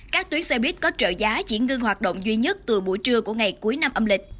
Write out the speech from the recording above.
các tuyến xe buýt có trợ giá chỉ ngưng hoạt động duy nhất từ buổi trưa của ngày cuối năm âm lịch